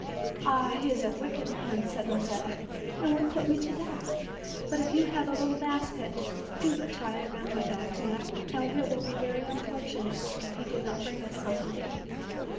"Ah! he is a wicked man," said Rosetta, "and would put me to death. But if you have a little basket, do but tie it round my dog's neck, and it will be very unfor tunate if he do not bring us back something to eat."